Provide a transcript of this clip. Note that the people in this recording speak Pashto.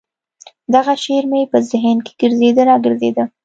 دغه شعر مې په ذهن کښې ګرځېده راګرځېده.